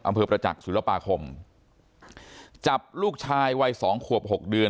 ประจักษ์ศิลปาคมจับลูกชายวัยสองขวบหกเดือน